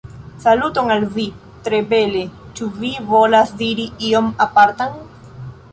Saluton al vi! tre bele ĉu vi volas diri ion apartan?